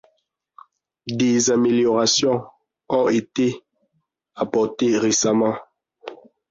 Des améliorations ont été apportées récemment.